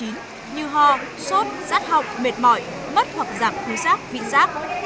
như ho sốt giác học mệt mỏi mất hoặc giảm khí giác vị giác